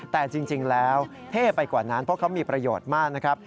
แต่จริงแล้วเท่ไปกว่านั้นเพราะเขามีประโยชน์มากนะครับ